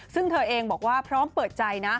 ซึ่งเธอเองบอกว่าพร้อมเปิดใจนะ